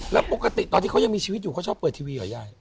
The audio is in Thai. แล้วปกติตอนที่เขายังมีชีวิตอยู่เขาชอบเปิดทีวีเหรอยาย